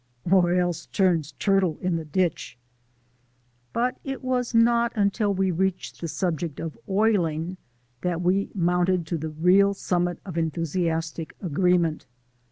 "Or else turns turtle in the ditch." But it was not until we reached the subject of oiling that we mounted to the real summit of enthusiastic agreement.